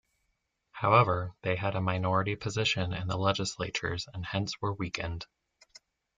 However, they had a minority position in the legislatures and hence were weakened.